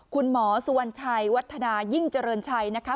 คุณหมอสุวรรณชัยวัฒนายิ่งเจริญชัยนะคะ